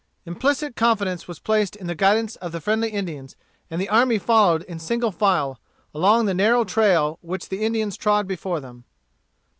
Implicit confidence was placed in the guidance of the friendly Indians, and the army followed in single file, along the narrow trail which the Indians trod before them.